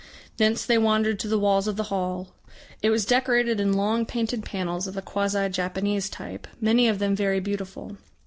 Thence they wandered to the walls of the hall. It was decorated in long painted panels of a quasi Japanese type, many of them very beautiful.